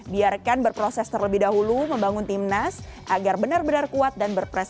biarkan berproses terlebih dahulu membangun timnas agar benar benar kuat dan berprestasi